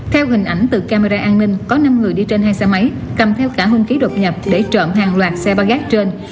theo hình ảnh từ camera an ninh có năm người đi trên hai xe máy cầm theo cả hung khí độc nhập để trộm hàng loạt xe ba gác trên